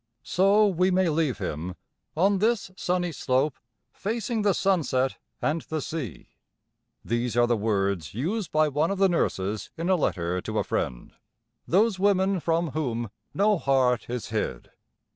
So we may leave him, "on this sunny slope, facing the sunset and the sea." These are the words used by one of the nurses in a letter to a friend, those women from whom no heart is hid.